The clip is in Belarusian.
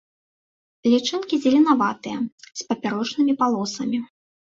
Лічынкі зеленаватыя, з папярочнымі палосамі.